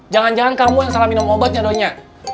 jangan jangan kamu yang salah minum obatnya doi nya